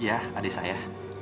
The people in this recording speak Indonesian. iya adik saya